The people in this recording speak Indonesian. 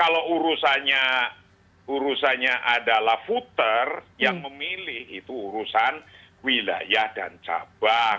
kalau urusannya adalah voter yang memilih itu urusan wilayah dan cabang